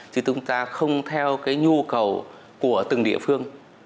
chứ chúng ta không theo cái nhu cầu của từng địa phương